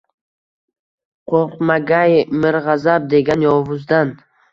Qoʻrqmagay mirgʻazab degan yovuzdan.